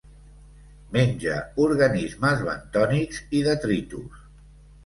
Menja organismes bentònics i detritus.